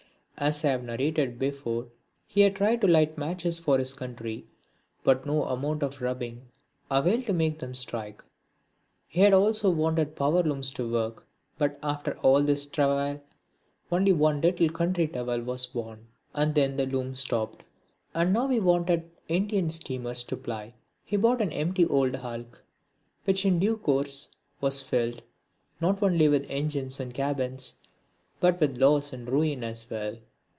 As I have narrated before, he had tried to light matches for his country, but no amount of rubbing availed to make them strike. He had also wanted power looms to work, but after all his travail only one little country towel was born, and then the loom stopped. And now that he wanted Indian steamers to ply, he bought an empty old hulk, which in due course, was filled, not only with engines and cabins, but with loss and ruin as well.